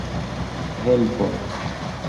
Helpon!